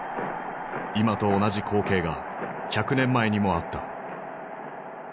今と同じ光景が１００年前にもあった。